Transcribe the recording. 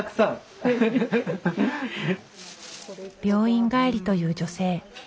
病院帰りという女性。